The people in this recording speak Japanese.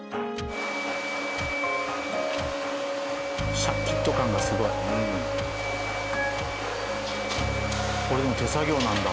シャキッと感がすごい。これも手作業なんだ。